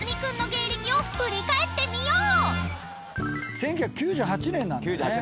１９９８年なんだね。